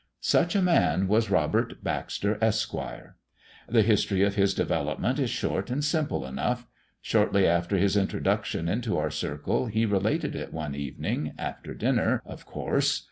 Such a man was Robert Baxter, Esq. The history of his development is short and simple enough: shortly after his introduction into our circle he related it one evening after dinner, of course.